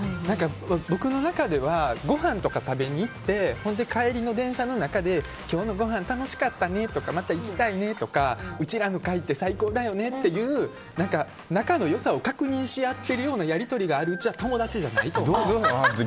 僕の中ではごはんとか食べに行ってほんで帰りの電車の中で今日のごはん楽しかったねまた行きたいねとかうちらの会って最高だよねっていう仲の良さを確認し合ってるようなやり取りがあるうちは友達じゃないと思う。